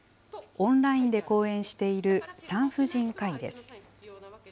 オンラインで講演している産婦人科医です。